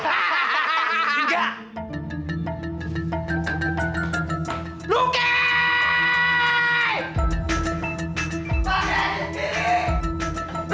pak jajan kiri